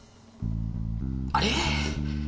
あれ？